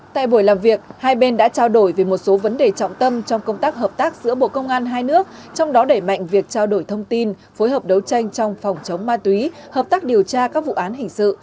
tại buổi làm việc hai bên đã trao đổi về một số vấn đề trọng tâm trong công tác hợp tác giữa bộ công an hai nước trong đó đẩy mạnh việc trao đổi thông tin phối hợp đấu tranh trong phòng chống ma túy hợp tác điều tra các vụ án hình sự